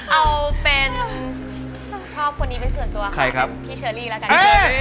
เอาเป็นชื่อชอบคนนี้เป็นส่วนตัวค่ะพี่เชอร์ลีแล้วกัน